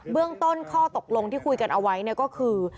เรื่องต้นข้อตกลงที่คุยกันเอาไว้ก็คือ